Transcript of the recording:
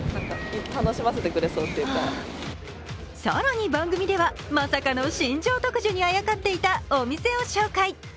更に番組では、まさかの新庄特需にあやかっていたお店を紹介。